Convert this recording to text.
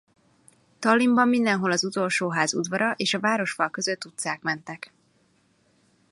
Tallinnban mindenhol az utolsó ház udvara és a városfal között utcák mentek.